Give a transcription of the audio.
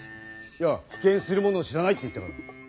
いや比肩する者を知らないって言ったから。